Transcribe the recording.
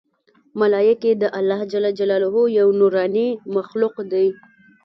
ملایکې د الله ج یو نورانې مخلوق دی